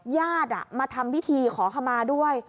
ญาติมาทำพิธีขอขมาด้วย